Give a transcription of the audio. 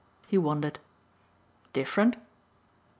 He wondered. "Different?"